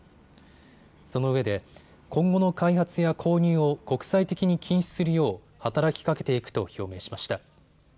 そのうえで今後の開発や購入を国際的に禁止するよう働きかけていくと表明しました。